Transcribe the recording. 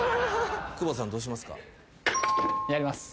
窪田さんどうしますか？